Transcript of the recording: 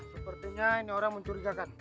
sepertinya ini orang mencurigakan